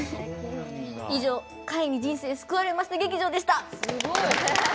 以上貝に人生救われました劇場でした。